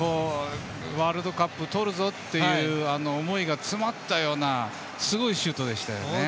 ワールドカップとるぞという思いが詰まったようなすごいシュートでしたよね。